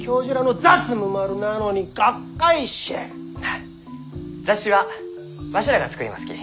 あ雑誌はわしらが作りますき。